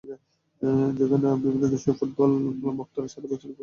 যেখানে বিভিন্ন দেশের ফুটবল-ভক্তরা সারা বছরের ফুটবল নিয়ে আলোচনা-সমালোচনা করে থাকে।